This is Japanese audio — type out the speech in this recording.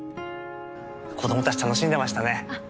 子供たち楽しんでましたね。